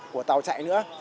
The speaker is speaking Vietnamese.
của tàu chạy nữa